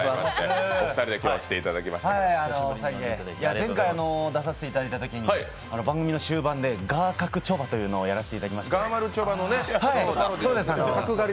前回出させていただいたとき、スタジオでガーカクチョバというのをやらせていただきました。